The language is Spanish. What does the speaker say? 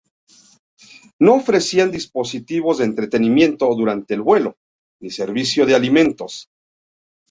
No ofrecían dispositivos de entretenimiento durante el vuelo, ni servicio de alimentos.